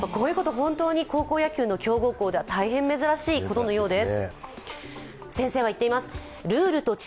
高校野球の強豪校では大変珍しいことのようです。